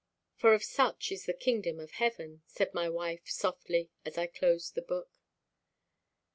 _" "For of such is the kingdom of heaven." said my wife softly, as I closed the book.